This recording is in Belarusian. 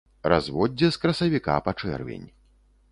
Разводдзе з красавіка па чэрвень.